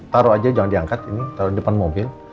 taruh aja jangan diangkat ini taruh di depan mobil